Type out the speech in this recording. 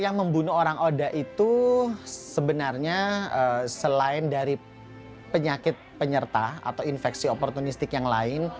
yang membunuh orang oda itu sebenarnya selain dari penyakit penyerta atau infeksi oportunistik yang lain